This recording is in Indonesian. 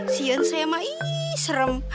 sian saya emang iiih serem